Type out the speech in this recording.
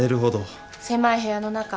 狭い部屋の中